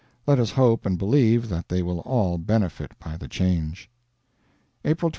Let us hope and believe that they will all benefit by the change. April 23.